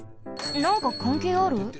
なんかかんけいある？